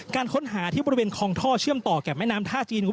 การค้นหาที่บริเวณคลองท่อเชื่อมต่อแก่แม่น้ำท่าจีนู